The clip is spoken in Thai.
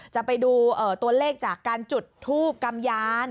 จะไปดูตัวเลขจากการจุดทูบกำยาน